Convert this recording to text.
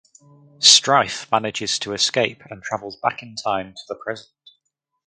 Stryfe manages to escape and travels back in time to the present.